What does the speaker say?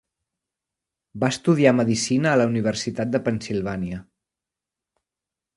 Va estudiar medicina a la Universitat de Pennsilvània.